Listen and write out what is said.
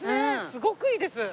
すごくいいです！